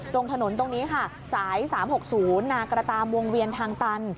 ตรงถนนตรงนี้ค่ะสาย๓๖๐นากระตามวงเวียนทางตัน